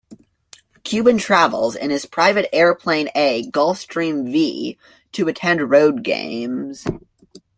Cuban travels in his private airplane-a Gulfstream V-to attend road games.